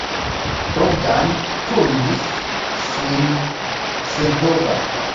Bogdan turnis sin senpova.